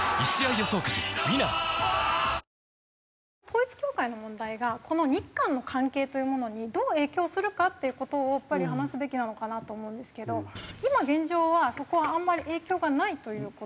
統一教会の問題がこの日韓の関係というものにどう影響するかっていう事をやっぱり話すべきなのかなと思うんですけど今現状はそこはあんまり影響がないという事なんですか？